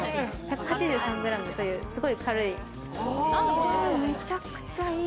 １８３ｇというすごい軽い。